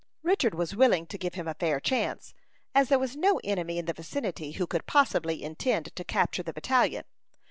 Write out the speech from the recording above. Richard was willing to give him a fair chance, as there was no enemy in the vicinity who could possibly intend to capture the battalion.